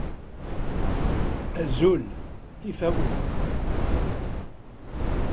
Azul! Tifawin!